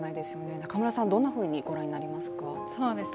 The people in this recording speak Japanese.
中村さん、どんなふうにご覧になりますか。